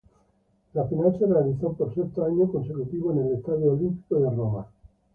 La final se realizó por sexto año consecutivo en el Estadio Olímpico de Roma.